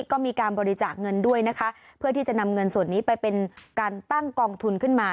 ก็มีการบริจาคเงินด้วยนะคะเพื่อที่จะนำเงินส่วนนี้ไปเป็นการตั้งกองทุนขึ้นมา